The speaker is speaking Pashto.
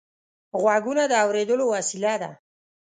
غوږونه د اورېدلو وسیله ده